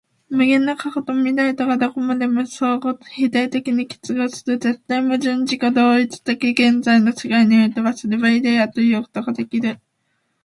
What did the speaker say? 無限の過去と未来とがどこまでも相互否定的に結合する絶対矛盾的自己同一的現在の世界においては、それはイデヤ的ということができる。